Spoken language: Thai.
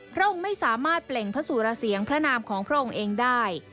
พระองค์ไม่สามารถเปล่งพระสุรเสียงพระนามของพระองค์เองได้